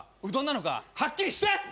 うどんなのかはっきりして！